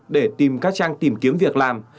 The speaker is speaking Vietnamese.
để tìm các trang tìm kiếm việc làm